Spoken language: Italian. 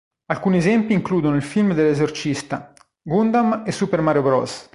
Alcuni esempi includono il film dell'esorcista, "Gundam" e "Super Mario Bros.".